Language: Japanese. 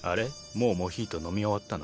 もうモヒート飲み終わったの？